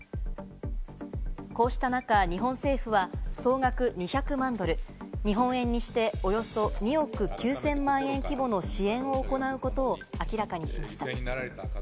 こうした中、日本政府は総額２００万ドル、日本円にして、およそ２億９０００万円規模の支援を行うことを明らかにしました。